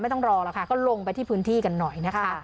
ต้องรอหรอกค่ะก็ลงไปที่พื้นที่กันหน่อยนะคะ